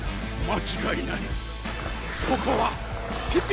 間違いない。